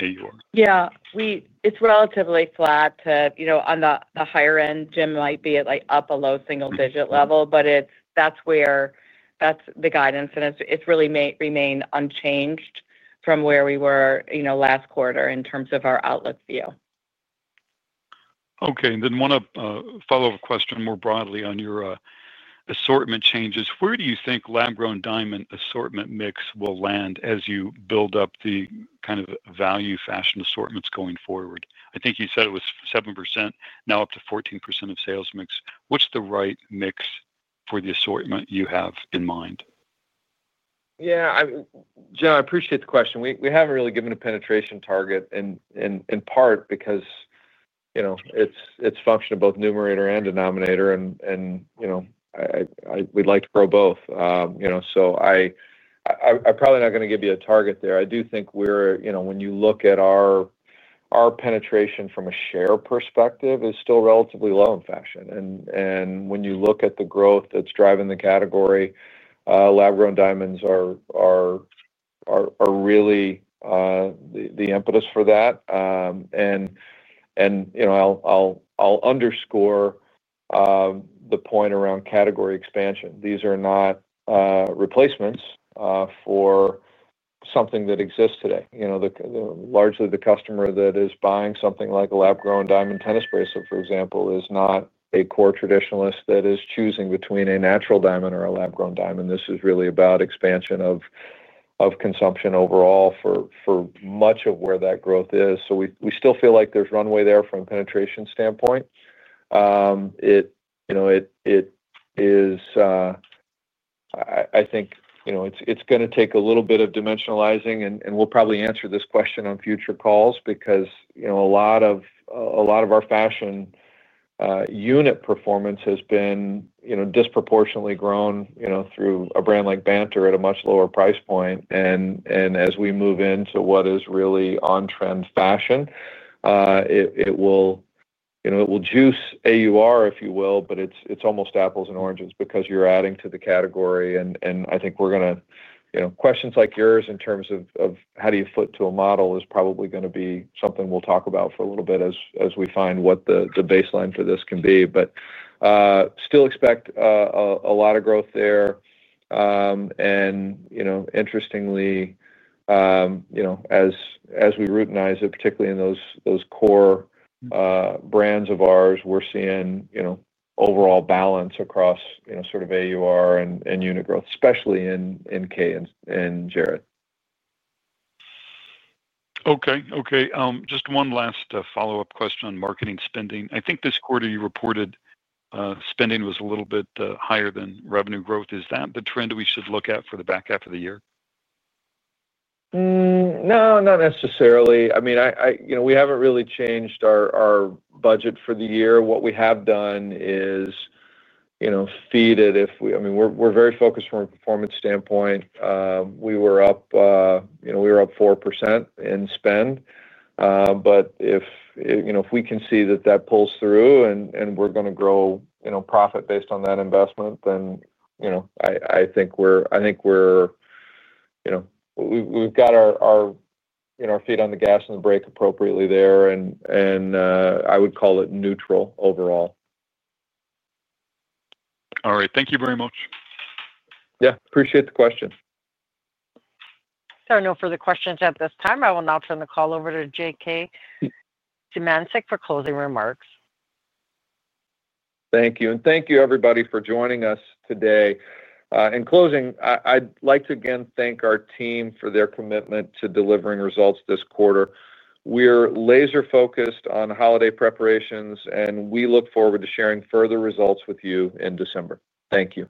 AUR? Yeah, it's relatively flat. You know, on the higher end, Jim might be at like up below single-digit level, but that's where that's the guidance. It's really remained unchanged from where we were, you know, last quarter in terms of our outlook view. Okay. One follow-up question more broadly on your assortment changes. Where do you think lab-grown diamond assortment mix will land as you build up the kind of value fashion assortments going forward? I think you said it was 7%, now up to 14% of sales mix. What's the right mix for the assortment you have in mind? Yeah, Jim, I appreciate the question. We haven't really given a penetration target in part because it's a function of both numerator and denominator, and we'd like to grow both. I'm probably not going to give you a target there. I do think when you look at our penetration from a share perspective, it's still relatively low in fashion. When you look at the growth that's driving the category, lab-grown diamonds are really the impetus for that. I'll underscore the point around category expansion. These are not replacements for something that exists today. Largely, the customer that is buying something like a lab-grown diamond tennis bracelet, for example, is not a core traditionalist that is choosing between a natural diamond or a lab-grown diamond. This is really about expansion of consumption overall for much of where that growth is. We still feel like there's runway there from a penetration standpoint. I think it's going to take a little bit of dimensionalizing. We'll probably answer this question on future calls because a lot of our fashion unit performance has been disproportionately grown through a brand like Banter at a much lower price point. As we move into what is really on-trend fashion, it will juice AUR, if you will, but it's almost apples and oranges because you're adding to the category. I think questions like yours in terms of how do you foot to a model is probably going to be something we'll talk about for a little bit as we find what the baseline for this can be. Still expect a lot of growth there. Interestingly, as we routinize it, particularly in those core brands of ours, we're seeing overall balance across AUR and unit growth, especially in Kay and Jared. Okay. Just one last follow-up question on marketing spending. I think this quarter you reported spending was a little bit higher than revenue growth. Is that the trend we should look at for the back half of the year? No, not necessarily. I mean, you know, we haven't really changed our budget for the year. What we have done is, you know, feed it if we, I mean, we're very focused from a performance standpoint. We were up 4% in spend. If we can see that that pulls through and we're going to grow profit based on that investment, then I think we've got our feet on the gas and the brake appropriately there. I would call it neutral overall. All right, thank you very much. Yeah, appreciate the questions. There are no further questions at this time. I will now turn the call over to J.K. Symancyk for closing remarks. Thank you. Thank you, everybody, for joining us today. In closing, I'd like to again thank our team for their commitment to delivering results this quarter. We're laser-focused on holiday preparations, and we look forward to sharing further results with you in December. Thank you.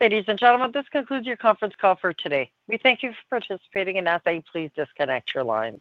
Ladies and gentlemen, this concludes your conference call for today. We thank you for participating and ask that you please disconnect your line.